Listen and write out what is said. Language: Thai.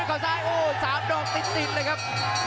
โอ้โหสามดอกติดติดเลยครับ